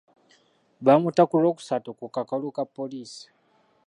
Baamuta ku lwokusatu ku kakalu ka poliisi.